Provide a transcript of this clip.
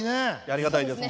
ありがたいです